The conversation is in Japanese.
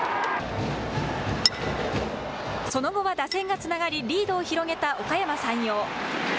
その後は打線がつながり、リードを広げたおかやま山陽。